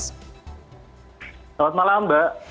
selamat malam mbak